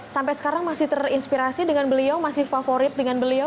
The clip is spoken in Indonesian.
sampai sekarang masih terinspirasi dengan beliau masih favorit dengan beliau